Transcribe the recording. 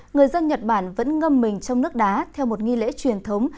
người dân nhật bản vẫn ngâm mình trong nước đá theo một nghi lễ truyền thống